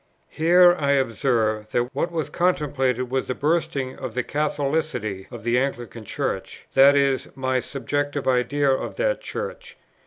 Here I observe, that, what was contemplated was the bursting of the Catholicity of the Anglican Church, that is, my subjective idea of that Church.